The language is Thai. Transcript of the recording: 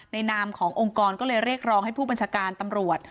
นามขององค์กรก็เลยเรียกร้องให้ผู้บัญชาการตำรวจ